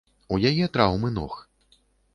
У яе траўмы ног.